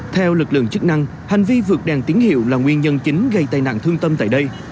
theo lực lượng chức năng hành vi vượt đèn tín hiệu là nguyên nhân chính gây tai nạn thương tâm tại đây